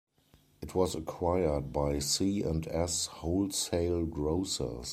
It was acquired by C and S Wholesale Grocers.